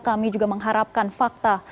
kami juga mengharapkan fakta